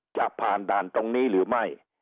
จะผ่านด่านตรงนี้หรือไม่